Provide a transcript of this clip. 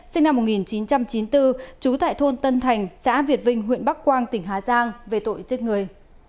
sinh năm một nghìn chín trăm chín mươi bốn trú tại thôn tân thành xã việt vinh huyện bắc quang tỉnh hà giang về tội giết người